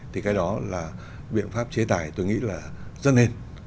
thì cái đó là biện pháp chế tài tôi nghĩ là rất nên